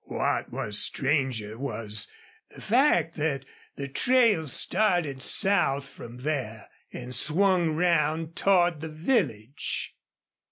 What was stranger was the fact that the trail started south from there and swung round toward the village.